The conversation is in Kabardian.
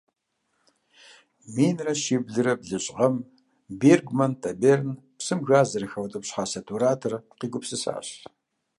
Минрэ щиблрэ блыщI гъэм Бергман Тоберн псым газ зэрыхаутIыпщхьэ сатуратор къигупсысащ.